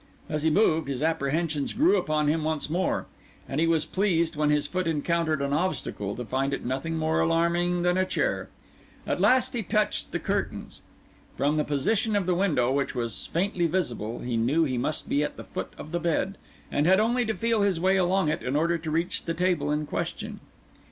As he moved, his apprehensions grew upon him once more, and he was pleased, when his foot encountered an obstacle, to find it nothing more alarming than a chair. At last he touched curtains. From the position of the window, which was faintly visible, he knew he must be at the foot of the bed, and had only to feel his way along it in order to reach the table in question.